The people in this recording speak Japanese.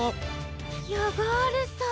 ヤガールさん！